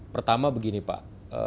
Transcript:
pertama begini pak